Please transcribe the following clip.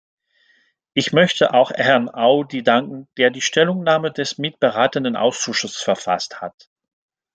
Ich möchte auch Herrn Audy danken, der die Stellungnahme des mitberatenden Ausschusses verfasst hat.